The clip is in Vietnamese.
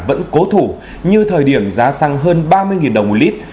vẫn cố thủ như thời điểm giá xăng hơn ba mươi đồng một lít